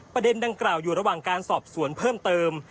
ประเด็นดังกล่าวอยู่ระหว่างการสอบสวนเพิ่มเติม